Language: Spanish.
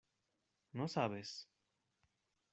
¿ no sabes?